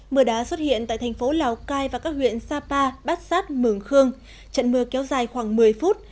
mưa đá xuất hiện tại thành phố lào cai và các huyện sapa bát sát mường khương trận mưa kéo dài khoảng một mươi phút